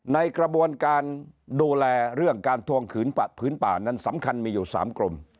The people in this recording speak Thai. ในกระบวนการดูแลเรื่องการทวงคืนผืนป่านั้นสำคัญมีอยู่๓กรม